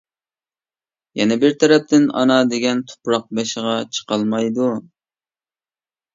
يەنە بىر تەرەپتىن ئانا دېگەن تۇپراق بېشىغا چىقالمايدۇ.